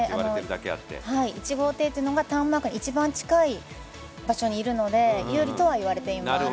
１号艇というのがターンマークに一番近い場所にいるので有利とは言われています。